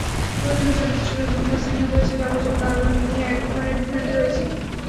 প্রধান বিচারপতি সুরেন্দ্র কুমার সিনহা বলেছেন, যাবজ্জীবন কারাদণ্ড নিয়ে একধরনের বিভ্রান্তি রয়েছে।